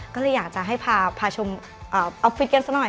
ก็เลยอยากจะให้พาชมออฟฟิศกันสักหน่อย